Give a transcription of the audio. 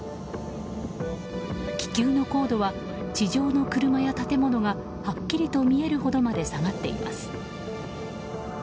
気球の高度は地上の車や建物がはっきりと見えるほどまで下がっています。